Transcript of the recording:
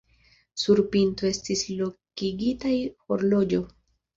Sur pinto estis lokigitaj horloĝo.